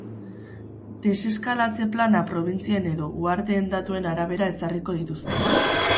Deseskalatze plana probintzien edo uharteen datuen arabera ezarriko dituzte.